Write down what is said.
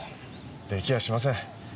出来やしません。